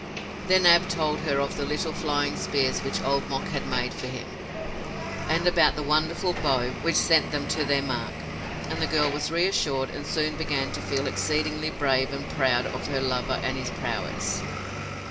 Then Ab told her of the little flying spears which Old Mok had made for him, and about the wonderful bow which sent them to their mark, and the girl was reassured and soon began to feel exceedingly brave and proud of her lover and his prowess.